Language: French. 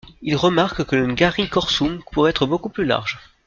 Il remarque que le Ngari-Korsum pourrait être beaucoup plus large.